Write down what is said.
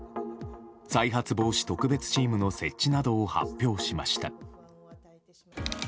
再発防止特別チームの設置などを発表しました。